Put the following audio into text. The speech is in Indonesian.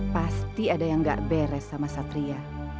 pasti ada yang gak beres sama satria